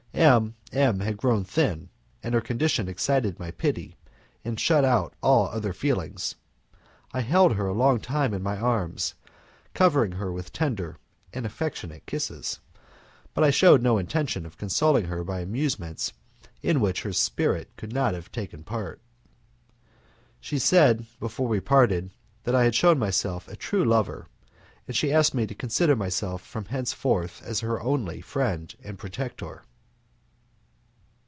M M had grown thin, and her condition excited my pity and shut out all other feelings. I held her a long time in my arms, covering her with tender and affectionate kisses, but I shewed no intention of consoling her by amusements in which her spirit could not have taken part. She said, before we parted, that I had shewn myself a true lover, and she asked me to consider myself from henceforth as her only friend and protector.